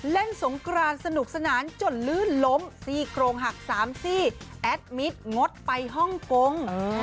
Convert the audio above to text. เล่นสงกรานสนุกสนานจนลื่นล้มซี่โครงหัก๓ซี่แอดมิตรงดไปฮ่องกง